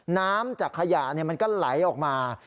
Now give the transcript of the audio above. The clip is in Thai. น้ำจากขยะมันก็ไหลออกมา